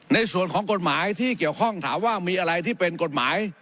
ในส่วนของกฎหมายที่เกี่ยวข้องถามว่ามีอะไรที่เป็นกฎหมาย